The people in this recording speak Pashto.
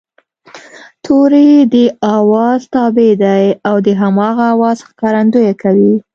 توری د آواز تابع دی او د هماغه آواز ښکارندويي کوي